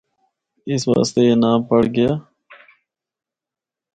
اس واسطے اے ناں پڑھ گیا۔